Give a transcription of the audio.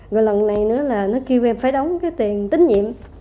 rồi lần này nữa là nó kêu em phải đóng cái tiền tín nhiệm